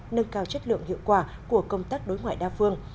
nâng cao chất lượng hiệu quả của công tác đối ngoại đa phương